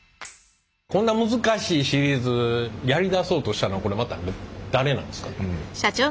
こんな難しいシリーズやりだそうとしたのはこれまた誰なんですか？